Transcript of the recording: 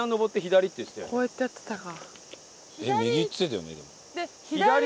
こうやってやってたか。